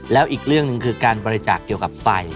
แล้วอีกเรื่องหนึ่งคือการบริจาคเกี่ยวกับไฟ